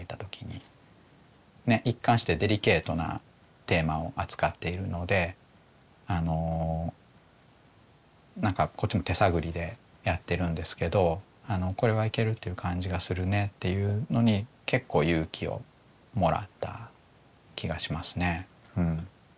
一貫してデリケートなテーマを扱っているのであの何かこっちも手探りでやってるんですけど「これはいけるっていう感じがするね」っていうのに結構勇気をもらった気がしますね。